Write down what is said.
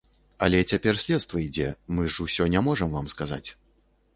Але цяпер следства ідзе, мы ж усё не можам вам сказаць.